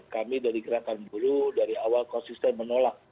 kami dari gerakan bulu dari awal konsisten menolak